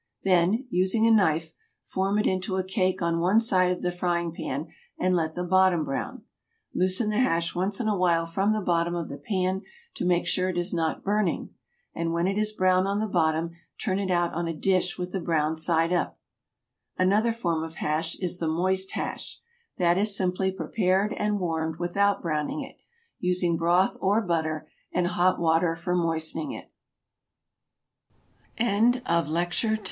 Then, using a knife, form it into a cake on one side of the frying pan and let the bottom brown. Loosen the hash once in a while from the bottom of the pan to make sure it is not burning and when it is brown on the bottom turn it out on a dish with the brown side up. Another form of hash is the moist hash. That is simply prepared and warmed without browning it, using broth or butter and hot water for moistening it.